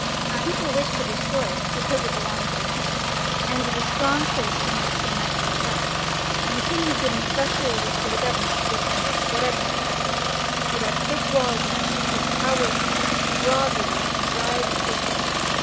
The people wished to destroy it, because it belonged to the king, and was a strong place from which they might be attacked ; and the king had given special orders to the Government to defend it, whatever might happen. It had thick walls round it, with towers on them, drawbridges, and dry ditches.